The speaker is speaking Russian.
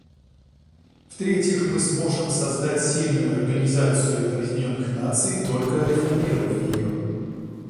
В-третьих, мы сможем создать сильную Организацию Объединенных Наций, только реформировав ее.